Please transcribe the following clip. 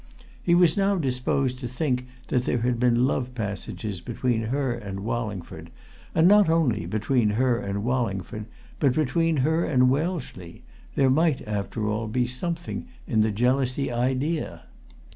He was now disposed to think that there had been love passages between her and Wallingford, and not only between her and Wallingford but between her and Wellesley there might, after all, be something in the jealousy idea.